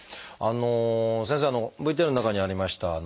先生ＶＴＲの中にありました